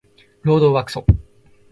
労働はクソ